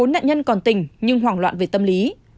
bốn nạn nhân còn tình nhưng hoảng loạn về tâm lý